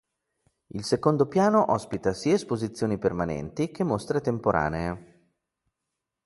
Il secondo piano ospita sia esposizioni permanenti che mostre temporanee.